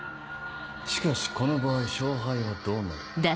しかしこの場合勝敗はどうなる？